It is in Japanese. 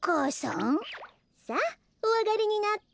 さあおあがりになって。